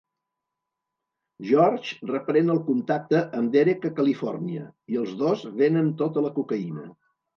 George reprèn el contacte amb Derek a Califòrnia, i els dos venen tota la cocaïna.